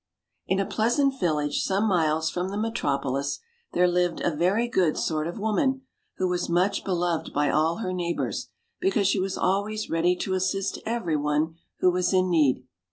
a pleasant village some miles from the metropolis, there lived a very good sort of woman, who was much beloved by all her neighbors, because she was always ready to assist every one who was in need.